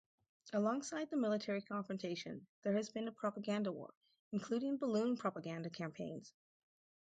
Alongside the military confrontation, there has been a propaganda war, including balloon propaganda campaigns.